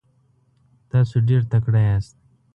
تاسو ډیر تکړه یاست.